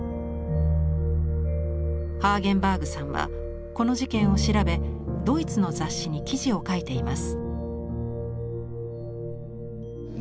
ハーゲンバーグさんはこの事件を調べドイツの雑誌に記事を書いています。